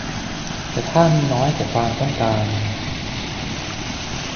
แต่ถ้ามีน้อยกว่าความต้องการ